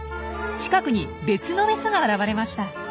近くに別のメスが現れました。